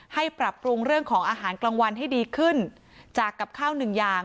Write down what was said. ปรับปรุงเรื่องของอาหารกลางวันให้ดีขึ้นจากกับข้าวหนึ่งอย่าง